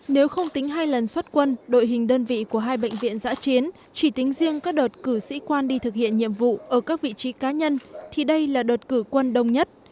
nếu không tính hai lần xuất quân đội hình đơn vị của hai bệnh viện giã chiến chỉ tính riêng các đợt cử sĩ quan đi thực hiện nhiệm vụ ở các vị trí cá nhân thì đây là đợt cử quân đông nhất